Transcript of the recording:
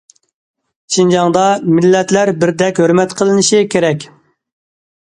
شىنجاڭدا، مىللەتلەر بىردەك ھۆرمەت قىلىنىشى كېرەك.